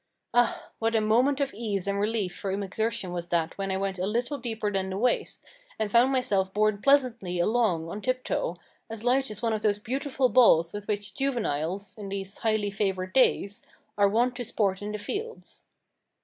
Ah! what a moment of ease and relief from exertion was that when I went a little deeper than the waist, and found myself borne pleasantly along on tip toe, as light as one of those beautiful balls with which juveniles in these highly favoured days are wont to sport in the fields!